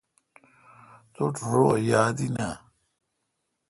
توٹھ رو یاد این اؘ۔